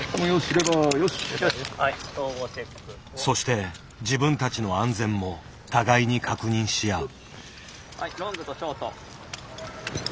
そして自分たちの安全も互いに確認し合う。